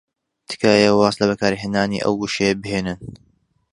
تکایە واز لە بەکارهێنانی ئەو وشەیە بهێنن.